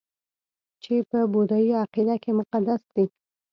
چې په بودايي عقیده کې مقدس دي